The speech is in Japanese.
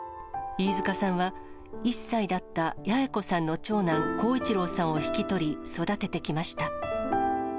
飯塚さんは、１歳だった八重子さんの長男、耕一郎さんを引き取り、育ててきました。